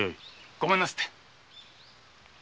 ごめんなすって。